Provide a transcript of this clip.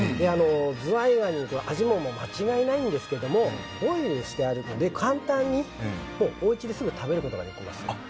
ズワイガニの味も間違いないんですけれどもボイルしてあるので簡単にお家ですぐ食べることができます。